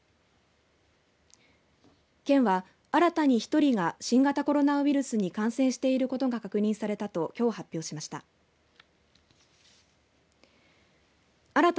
県は、新たに１人が新型コロナウイルスに感染していることが確認されたときょう発表しました。